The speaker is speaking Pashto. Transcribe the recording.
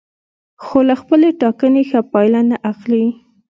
خو له خپلې ټاکنې ښه پایله نه اخلي.